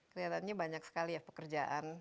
kelihatannya banyak sekali ya pekerjaan